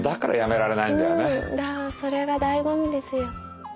それがだいご味ですよ。